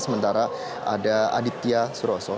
sementara ada aditya suroso